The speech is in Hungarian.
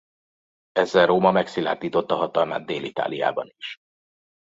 Ezzel Róma megszilárdította hatalmát Dél-Itáliában is.